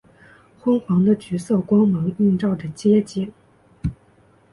昏黄的橘色光芒映照着街景